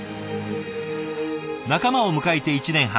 仲間を迎えて１年半。